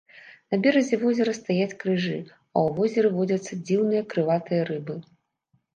На беразе возера стаяць крыжы, а ў возеры водзяцца дзіўныя крылатыя рыбы.